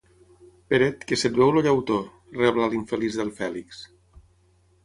Peret, que se't veu el llautó! —rebla l'infeliç del Fèlix.